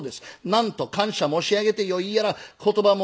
「なんと感謝申し上げてよいやら言葉もございません」。